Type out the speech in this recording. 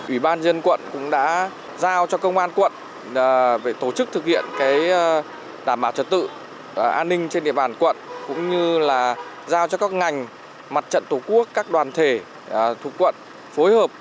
ủy ban dân quận cũng đã giao cho công an quận về tổ chức thực hiện đảm bảo trật tự an ninh trên địa bàn quận cũng như là giao cho các ngành mặt trận tổ quốc các đoàn thể thuộc quận phối hợp